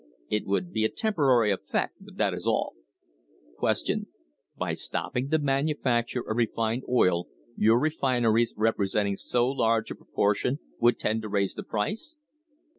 It would be a temporary effect, but that is all. ... Q. By stopping the manufacture of refined oil your refineries representing so large a proportion would tend to raise the price